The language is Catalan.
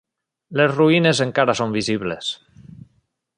Les ruïnes encara són visibles.